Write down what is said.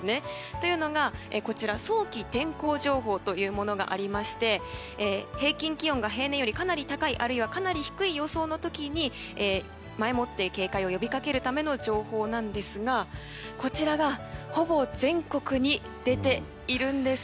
というのが、早期天候情報というものがありまして平均気温が平年よりかなり高いあるいはかなり低い予想の時に前もって警戒を呼びかけるための情報なんですがこちらがほぼ全国に出ているんです。